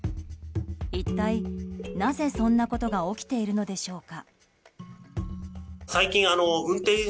一体なぜそんなことが起きているのでしょうか？